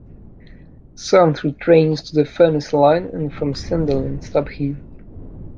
Some through trains to the Furness Line and from Sunderland stop here.